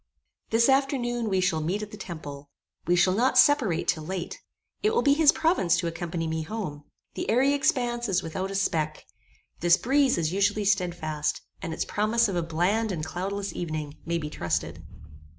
This afternoon we shall meet at the temple. We shall not separate till late. It will be his province to accompany me home. The airy expanse is without a speck. This breeze is usually stedfast, and its promise of a bland and cloudless evening, may be trusted.